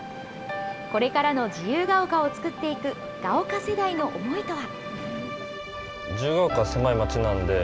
これからの自由が丘を作っていく、ガオカ世代の思いとは。